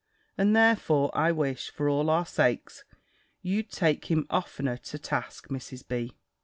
And, therefore, I wish, for all our sakes, you'd take him oftener to task, Mrs. B."